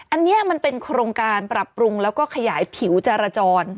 อันนี้มันเป็นโครงการปรับปรุงแล้วก็ขยายผิวจรจร